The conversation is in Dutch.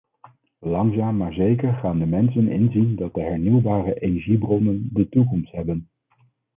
Langzaam maar zeker gaan de mensen inzien dat de hernieuwbare energiebronnen de toekomst hebben.